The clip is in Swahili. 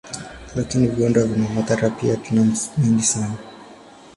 Lakini viwanda vina madhara pia, tena mengi sana.